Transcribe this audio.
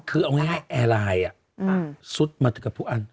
คือเอาไงแอร์ไลน์สุดมากับทุกอัน